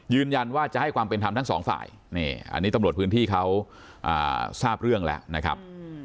ยืนยันว่าจะให้ความเป็นธรรมทั้งสองฝ่ายนี่อันนี้ตำรวจพื้นที่เขาทราบเรื่องแล้วนะครับ